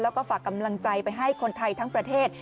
แล้วก็ฝากกำลังใจไปให้คนไทยทั้งประเทศ